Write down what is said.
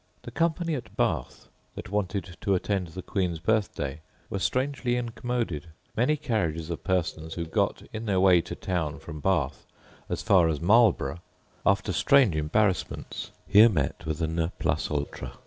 The company at Bath, that wanted to attend the Queen's birth day, were strangely incommoded: many carriages of persons, who got, in their way to town from Bath, as far as Marlborough, after strange embarrassments, here met with a ne plus ultra.